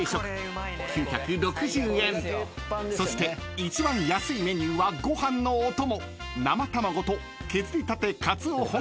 ［そして一番安いメニューはご飯のお供］